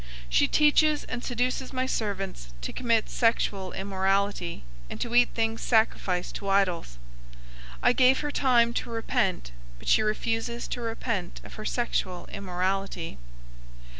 She teaches and seduces my servants to commit sexual immorality, and to eat things sacrificed to idols. 002:021 I gave her time to repent, but she refuses to repent of her sexual immorality.